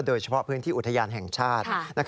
โดยเฉพาะพื้นที่อุทยานแห่งชาติ